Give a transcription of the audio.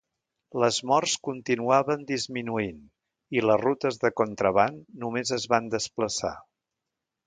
Les morts continuaven disminuint, i les rutes de contraban només es van desplaçar.